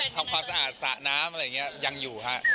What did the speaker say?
ทำความสะอาดสระน้ำหรือยังอยู่ฮะ